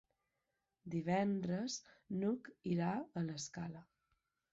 Divendres n'Hug irà a l'Escala.